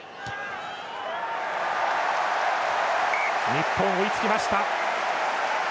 日本、追いつきました。